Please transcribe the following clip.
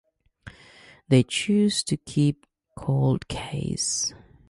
They chose to keep "Cold Case".